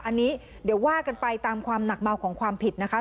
อันนี้เดี๋ยวว่ากันไปตามความหนักเบาของความผิดนะคะ